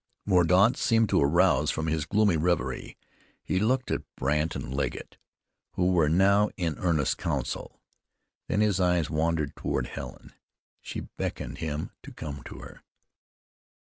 Mordaunt seemed to arouse from his gloomy reverie. He looked at Brandt and Legget who were now in earnest council. Then his eyes wandered toward Helen. She beckoned him to come to her.